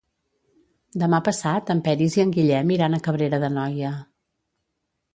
Demà passat en Peris i en Guillem iran a Cabrera d'Anoia.